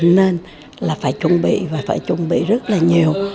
nên là phải chuẩn bị và phải chuẩn bị rất là nhiều